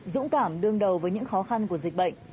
dũng cảm đương đầu với những khó khăn của dịch bệnh